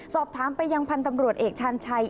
สอบถามไปยังพันธ์ตำรวจเอกชาญชัย